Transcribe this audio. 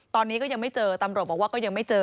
ตอนนี้ก็ยังไม่เจอตำรวจบอกว่าก็ยังไม่เจอ